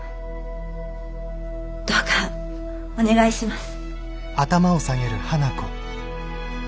どうかお願いします。